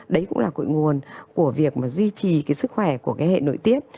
đấy cũng là cội nguồn của việc mà duy trì cái sức khỏe của cái hệ nội tiết